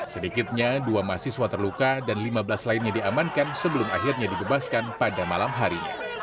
sedikitnya dua mahasiswa terluka dan lima belas lainnya diamankan sebelum akhirnya dibebaskan pada malam hari